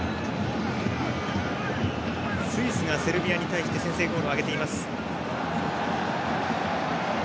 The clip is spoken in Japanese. スイスがセルビアに対して先制ゴールを挙げています。